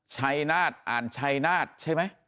ชัยนาฏอ่านชัยนาฏใช่ไหม